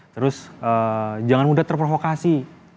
terus jangan mudah terprovokasi